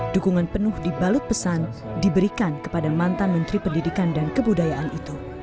dukungan penuh dibalut pesan diberikan kepada mantan menteri pendidikan dan kebudayaan itu